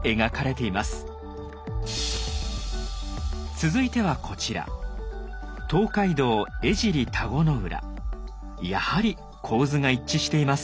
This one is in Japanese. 続いてはこちらやはり構図が一致しています。